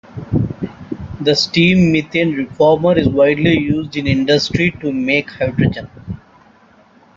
The steam methane reformer is widely used in industry to make hydrogen.